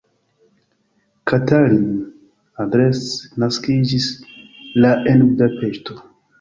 Katalin Andresz naskiĝis la en Budapeŝto.